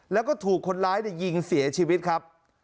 แล้วก็ถูกคนร้ายยิงเสียชีวิตครับ